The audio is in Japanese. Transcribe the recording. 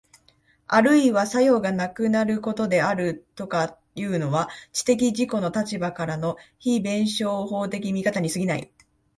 あるいは作用がなくなることであるとかいうのは、知的自己の立場からの非弁証法的見方に過ぎない。